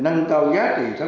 nhưng trong cuối trước